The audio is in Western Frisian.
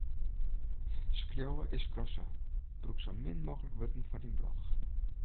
Skriuwe is skrasse: brûk sa min mooglik wurden foar dyn blog.